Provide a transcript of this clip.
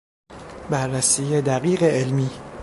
بررسی دقیق علمی